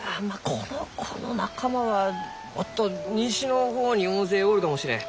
この子の仲間はもっと西の方に大勢おるかもしれん。